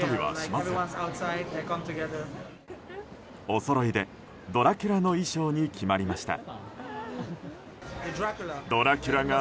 おそろいで、ドラキュラの衣装に決まりました。